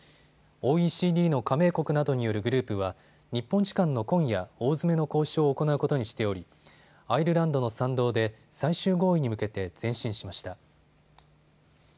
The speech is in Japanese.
ＯＥＣＤの加盟国などによるグループは日本時間の今夜、大詰めの交渉を行うことにしておりアイルランドの賛同で最終合意に向けて前進しました。